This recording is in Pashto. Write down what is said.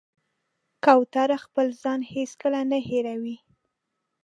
کوتره خپل ځای هېڅکله نه هېروي.